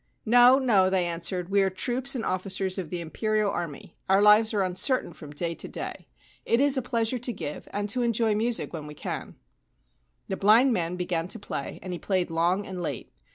' No, no/ they answered. ' We are troops and officers of the Imperial Army : our lives are uncertain from day to day. It is a pleasure to give, and to enjoy music when we can/ The blind man began to play, and he played long and late.